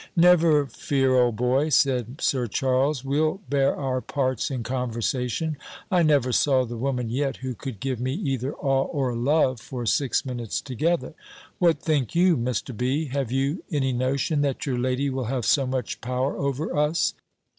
"Never fear, old boy," said Sir Charles, "we'll bear our parts in conversation. I never saw the woman yet, who could give me either awe or love for six minutes together. What think you, Mr. B.? Have you any notion, that your lady will have so much power over us?"